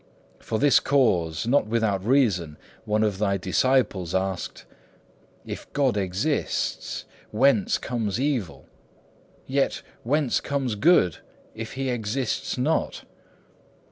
For this cause, not without reason, one of thy disciples asked, "If God exists, whence comes evil? Yet whence comes good, if He exists not?"